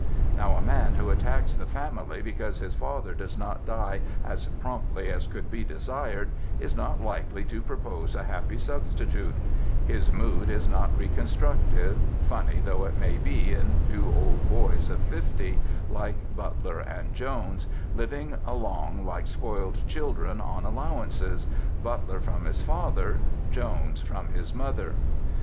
Now a man who attacks the family because his father does not die as promptly as could be desired is not likely to propose a happy substitute: his mood is not reconstructive, funny though it may be in two old boys of fifty, like Butler and Jones, living along like spoiled children on allowances, Butler from his father, Jones from his mother.